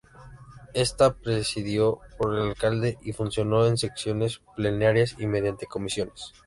Está presidido por el alcalde y funciona en sesiones plenarias y mediante comisiones.